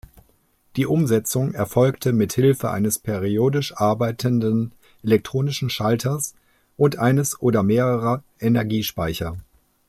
Die Umsetzung erfolgt mithilfe eines periodisch arbeitenden elektronischen Schalters und eines oder mehrerer Energiespeicher.